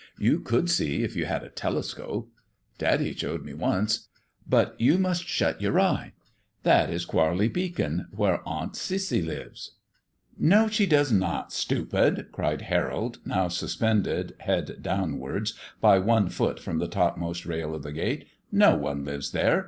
You could see if you had a telescope. Daddy showed me once; but you must shut your eye. That is Quarley Beacon, where Aunt Cissy lives." "No, she does not, stupid," cried Harold, now suspended, head downwards, by one foot, from the topmost rail of the gate. "No one lives there.